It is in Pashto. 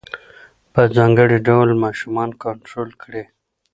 په ځانګړي ډول ماشومان کنترول کړي.